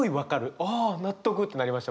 ああ納得ってなりました